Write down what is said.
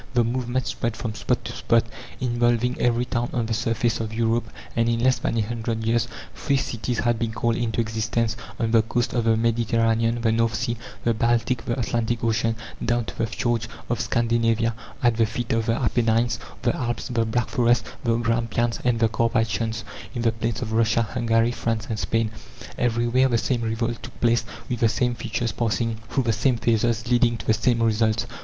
The movement spread from spot to spot, involving every town on the surface of Europe, and in less than a hundred years free cities had been called into existence on the coasts of the Mediterranean, the North Sea, the Baltic, the Atlantic Ocean, down to the fjords of Scandinavia; at the feet of the Apennines, the Alps, the Black Forest, the Grampians, and the Carpathians; in the plains of Russia, Hungary, France and Spain. Everywhere the same revolt took place, with the same features, passing through the same phases, leading to the same results.